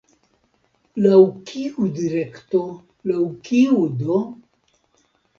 Laŭ kiu direkto, laŭ kiu do?